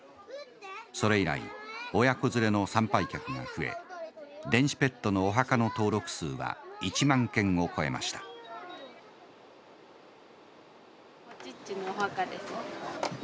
それ以来親子連れの参拝客が増え電子ペットのお墓の登録数は１万件を超えましたぽちっちのお墓ですね。